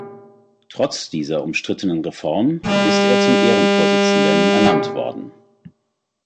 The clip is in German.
Trotz dieser umstrittenen Reform ist er zum Ehrenvorsitzenden ernannt worden.